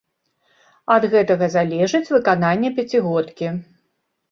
Ад гэтага залежыць выкананне пяцігодкі.